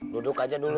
duduk aja dulu